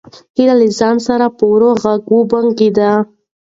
هیلې له ځان سره په ورو غږ وبونګېده.